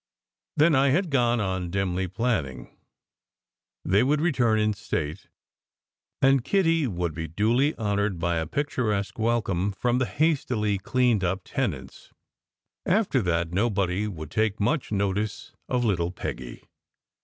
Then (I had gone on dimly planning) they would return in state, and Kitty would be duly honoured by a picturesque welcome from the hastily cleaned up tenants. After that, nobody would take much notice of little Peggy.